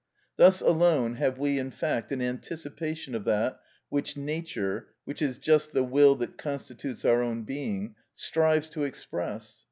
Thus alone have we in fact an anticipation of that which nature (which is just the will that constitutes our own being) strives to express.